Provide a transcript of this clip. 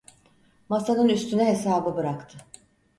Masanın üstüne hesabı bıraktı.